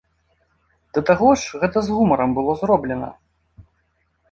Да таго ж гэта з гумарам было зроблена.